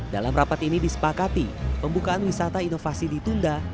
dalam rapat ini disepakati pembukaan wisata inovasi ditunda